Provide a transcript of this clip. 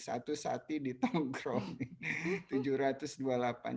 satu sati ditongkrong